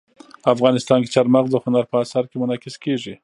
افغانستان کې چار مغز د هنر په اثار کې منعکس کېږي.